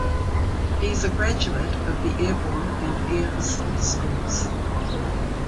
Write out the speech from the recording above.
He is a graduate of the Airborne and Air Assault schools.